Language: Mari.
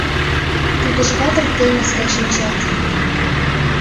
Вÿдыжга дыр теҥыз гай шинчат.